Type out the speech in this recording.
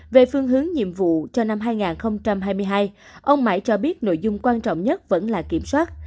về phương hướng nhiệm vụ cho năm hai nghìn hai mươi hai ông mãi cho biết nội dung quan trọng nhất vẫn là kiểm soát